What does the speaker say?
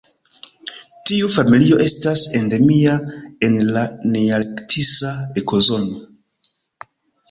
Tiu familio estas endemia en la nearktisa ekozono.